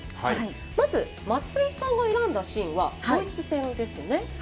まず、松井さんが選んだシーンはドイツ戦ですよね。